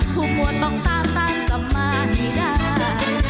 ผู้บวชต้องตามตามจะมาให้ได้